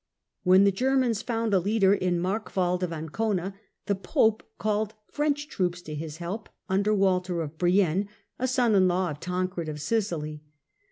When the Germans found a leader in Markwald of Ancona, the Pope called French troops to his help under Walter of Brienne, a son in law of Tancred of Sicily.